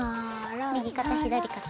右肩左肩。